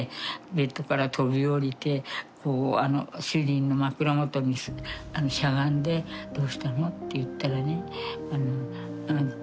でベッドから飛び降りて主人の枕元にしゃがんで「どうしたの」って言ったらね。